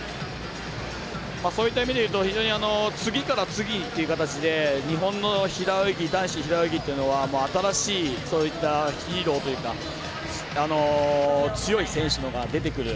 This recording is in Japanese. そういった意味でいうと非常に次から次という形で日本の男子平泳ぎというのは新しいヒーローというか強い選手が出てくる。